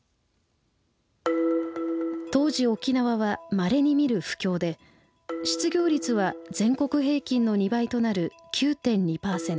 当時沖縄はまれに見る不況で失業率は全国平均の２倍となる９．２％。